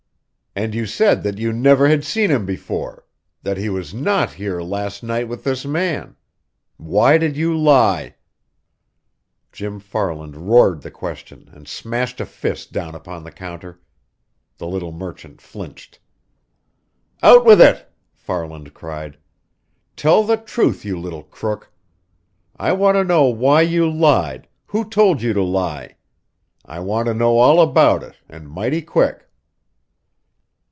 "And you said that you never had seen him before that he was not here last night with this man. Why did you lie?" Jim Farland roared the question and smashed a fist down upon the counter. The little merchant flinched. "Out with it!" Farland cried. "Tell the truth, you little crook! I want to know why you lied, who told you to lie. I want to know all about it, and mighty quick!"